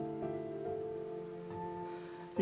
dari segala kesiasiaan juga kelalaian